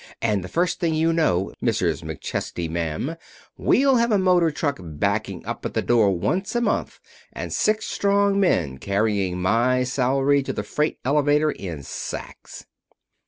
"And the first thing you know, Mrs. McChesney, ma'am, we'll have a motor truck backing up at the door once a month and six strong men carrying my salary to the freight elevator in sacks."